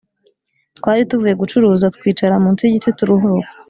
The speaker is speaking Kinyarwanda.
Twari tuvuye gucuruza twicara munsi y’igiti turuhuka.